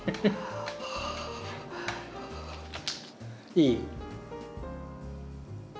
いい？